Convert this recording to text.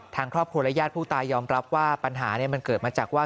ทางครอบครัวและญาติผู้ตายยอมรับว่าปัญหามันเกิดมาจากว่า